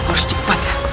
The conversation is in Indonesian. aku harus cepet